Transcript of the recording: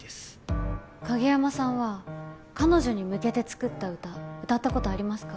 影山さんは彼女に向けて作った歌歌ったことありますか？